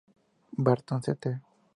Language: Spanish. Barton St.